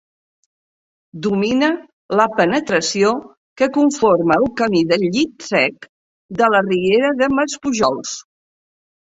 Domina la penetració que conforma el camí del llit sec de la riera de Maspujols.